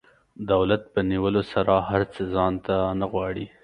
دولت په نیولو سره هر څه ځان ته نه غواړي.